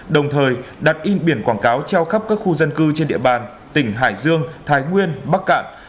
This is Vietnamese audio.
đồng thời đặt in biển quảng cáo treo khắp các khu dân cư trên địa bàn tỉnh hải dương thái nguyên bắc cạn